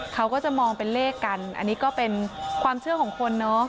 เขาก็จะมองเป็นเลขกันอันนี้ก็เป็นความเชื่อของคนเนอะ